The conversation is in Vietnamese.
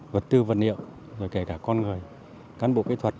vật tư vật liệu rồi kể cả con người cán bộ kỹ thuật